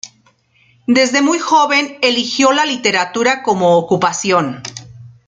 Desde muy joven eligió la literatura como ocupación.